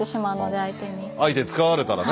相手使われたらね。